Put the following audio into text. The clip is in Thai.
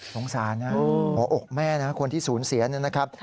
สงสารนะออกแม่คนที่ศูนย์เสียนะครับ